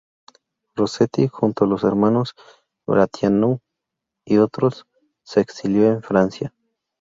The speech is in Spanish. Rosetti, junto a los hermanos Brătianu y otros, se exilió en Francia.